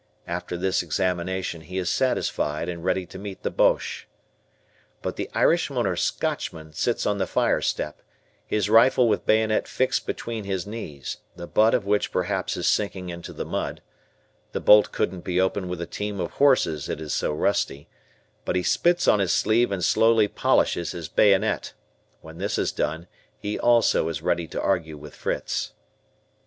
After this examination he is satisfied and ready to meet the Boches. But the Irishman or Scotchman sits on the fire step, his rifle with bayonet fixed between his knees, the butt of which perhaps is sinking into the mud, the bolt couldn't be opened with a team of horses it is so rusty, but he spits on his sleeve and slowly polishes his bayonet; when this is done he also is ready to argue with Fritz.